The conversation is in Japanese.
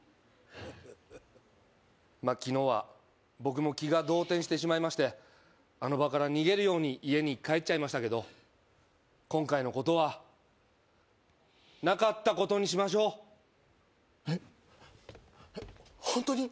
まあ昨日は僕も気が動転してしまいましてあの場から逃げるように家に帰っちゃいましたけど今回のことはなかったことにしましょうえっえっホントに？